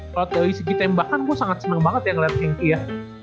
nah kalo dari segi tembakan gua sangat seneng banget ya ngeliat henki ya